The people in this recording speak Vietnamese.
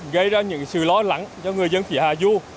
gây ra những sự lo lắng cho người dân phía hạ du